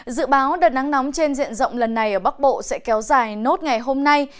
dự báo đợt nắng nóng trên diện rộng lần này ở bắc bộ sẽ kéo dài nốt ngày hôm nay